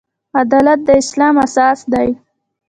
عدالت د اسلام اساس دی